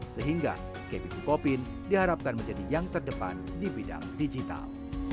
sehingga kb bukopin diharapkan menjadi yang terdepan di bidang digital